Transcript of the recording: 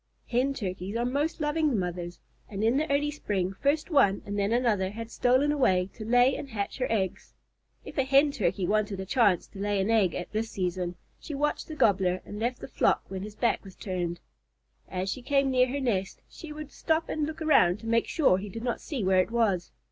Hen Turkeys are most loving mothers, and in the early spring first one and then another had stolen away to lay and hatch her eggs. If a Hen Turkey wanted a chance to lay an egg at this season, she watched the Gobbler and left the flock when his back was turned. As she came near her nest, she would stop and look around to make sure he did not see where it was.